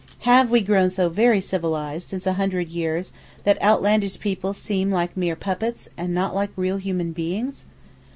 Have we grown so very civilized since a hundred years that outlandish people seem like mere puppets, and not like real human beings?